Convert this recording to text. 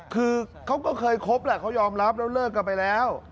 คือเขาก็เคยคบแหละเขายอมรับแล้วเลิกกันไปแล้ว